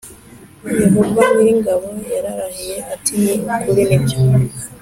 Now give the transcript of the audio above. Yehova nyir ingabo yararahiye ati ni ukuri nibyo